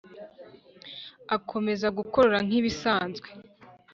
akomeza gukorora nkibisanzwe!.